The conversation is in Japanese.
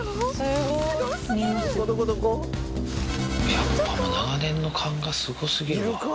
やっぱもう長年の勘がすご過ぎるわ。